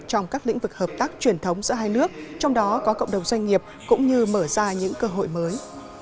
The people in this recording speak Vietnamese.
trong các lĩnh vực hợp tác truyền thống giữa hai nước trong đó có cộng đồng doanh nghiệp cũng như mở ra những cơ hội mới